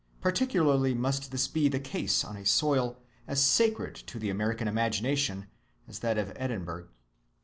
Particularly must this be the case on a soil as sacred to the American imagination as that of Edinburgh.